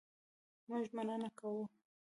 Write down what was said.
مونږ مننه کوو